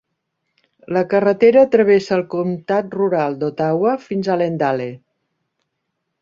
La carretera travessa el comtat rural d'Ottawa fins a Allendale.